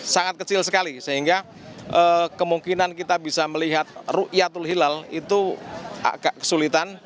sangat kecil sekali sehingga kemungkinan kita bisa melihat ⁇ ruyatul hilal itu agak kesulitan